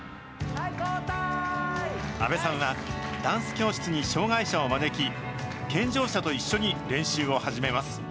阿部さんは、ダンス教室に障害者を招き、健常者と一緒に練習を始めます。